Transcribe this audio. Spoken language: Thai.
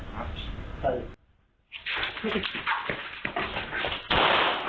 เฮ้ย